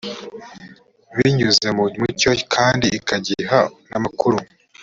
bunyuze mu mucyo kandi ikagiha n’amakuru